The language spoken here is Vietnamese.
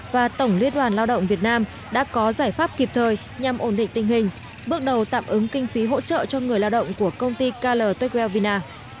và tổng liên đoàn lao động việt nam đã có giải pháp kịp thời nhằm ổn định tình hình bước đầu tạm ứng kinh phí hỗ trợ cho người lao động của công ty klcel vina